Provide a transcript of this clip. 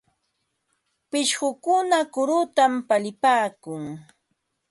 Pishqukuna kurutam palipaakun.